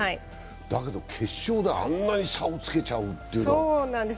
だけど決勝であんなに差をつけちゃうというのは。